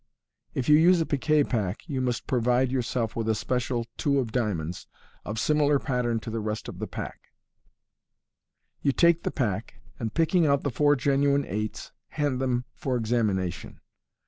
(If you use a piquet pack, you must provide Fig. 36. 72 MODERN MAGIC. yourself with a special two of diamonds, of similar pattern to the rest of the pack.) You take the pack, and picking out the four genuine eights, hand them for examination.